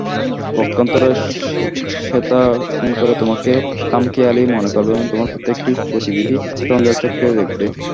পক্ষান্তরে, শ্বেতাঙ্গেরা তোমাকে খামখেয়ালী মনে করবে এবং তোমার প্রত্যেকটি গতিবিধি সন্দেহের চক্ষে দেখবে।